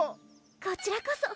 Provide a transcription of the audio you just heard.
こちらこそ。